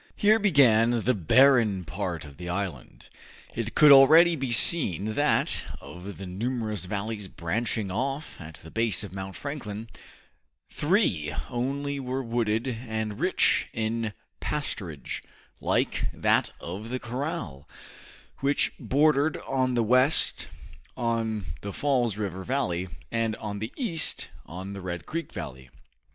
Here began the barren part of the island. It could already be seen that, of the numerous valleys branching off at the base of Mount Franklin, three only were wooded and rich in pasturage like that of the corral, which bordered on the west on the Falls River valley, and on the east on the Red Creek valley.